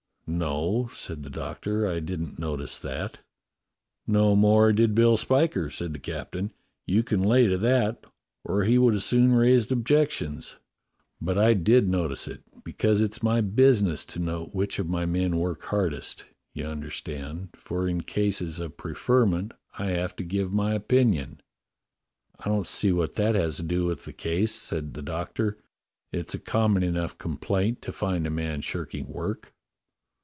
^" "No," said the Doctor, "I didn't notice that." "No more did Bill Spiker," said the captain; "you can lay to that, or he would have soon raised objections; but I did notice it, because it's my business to note which of my men work hardest, you understand ; for in cases of preferment I have to give my opinion." "I don't see what that has to do with the case," said the Doctor. "It's a common enough complaint to find a man shirking work."